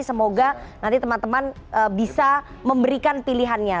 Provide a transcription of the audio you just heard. semoga nanti teman teman bisa memberikan pilihannya